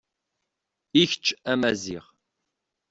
I kečč a Maziɣ.